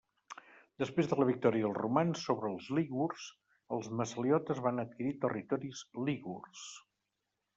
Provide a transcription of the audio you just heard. Després de la victòria dels romans sobre els lígurs, els massaliotes van adquirir territoris lígurs.